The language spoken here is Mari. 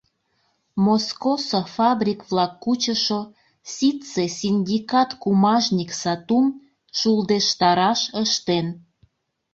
Москосо фабрик-влак кучышо ситце синдикат кумажник сатум шулдештараш ыштен.